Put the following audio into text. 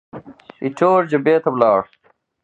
ایټور جبهې ته ولاړ.